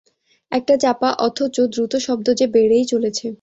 একটা চাপা অথচ দ্রুত শব্দ যে বেড়েই চলেছে।